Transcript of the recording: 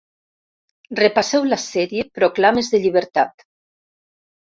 Repasseu la sèrie ‘Proclames de llibertat’